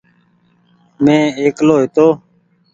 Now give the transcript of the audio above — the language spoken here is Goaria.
مينٚ اڪيلو هيتو